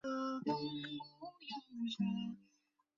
拜尔罗德是德国萨克森州的一个市镇。